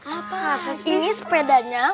apaan ini sepedanya